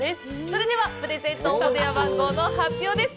それではプレゼント応募電話番号の発表です。